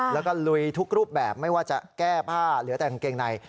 แล้วก็ลุยทุกรูปแบบไม่ว่าจะแก้ผ้าเหลือแต่กางเกงใน